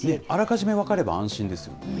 あらかじめ分かれば安心ですよね。